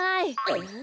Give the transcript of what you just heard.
えっ？